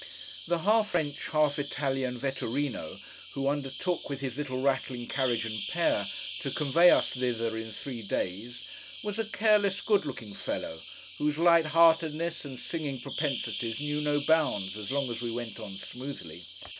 The half French, half Italian Vetturíno, who undertook, with his little rattling carriage and pair, to convey us thither in three days, was a careless, good looking fellow, whose light heartedness and singing propensities knew no bounds as long as we went on smoothly.